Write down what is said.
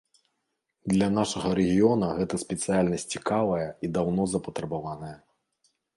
Для нашага рэгіёна гэта спецыяльнасць цікавая і даўно запатрабаваная.